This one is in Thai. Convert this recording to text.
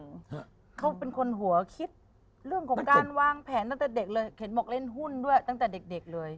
เขาเป็นคนหัวคิดเรื่องของการวางแผนตั้งแต่เด็กเลยเข็นบอกเล่นหุ้นด้วยตั้งแต่เด็กเด็กเลย